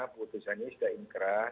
putusan ini sudah inkrah